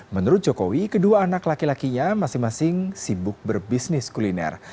menurut jokowi kedua anak laki lakinya masing masing sibuk berbisnis kuliner